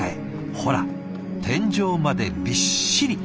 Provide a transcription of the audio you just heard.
ほら天井までびっしり。